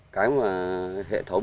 cái mà hệ thống